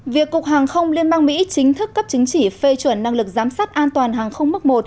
việc cục hàng không liên bang mỹ chính thức cấp chứng chỉ phê chuẩn năng lực giám sát an toàn hàng không mức một